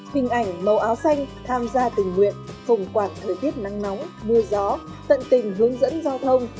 hình ảnh màu áo xanh tham gia tình nguyện hồng quạt thời tiết nắng nóng mưa gió tận tình hướng dẫn giao thông